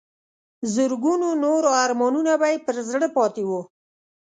زرګونو نور ارمانونه به یې پر زړه پاتې وو.